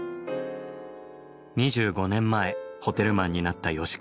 ２５年前ホテルマンになった吉川さん。